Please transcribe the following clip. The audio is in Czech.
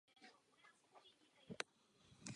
Se svou ženou Betty má syna Olafa.